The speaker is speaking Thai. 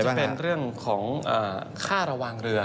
จะเป็นเรื่องของค่าระวังเรือ